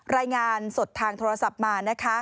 รายงานสดทางโทรศัพท์มานะคะ